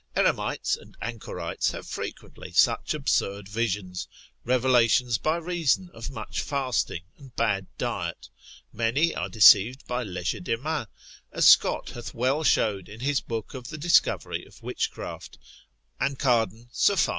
Eremites and anchorites have frequently such absurd visions, revelations by reason of much fasting, and bad diet, many are deceived by legerdemain, as Scot hath well showed in his book of the discovery of witchcraft, and Cardan, subtil.